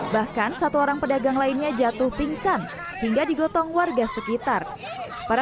bahkan satu orang pedagang lainnya jatuh pingsan hingga digotong warga sekitar para